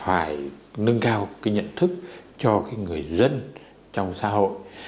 phải nâng cao cái nhận thức cho cái người dân trong xã hội